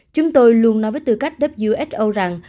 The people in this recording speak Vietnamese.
chúng tôi luôn nói với tư cách who rằng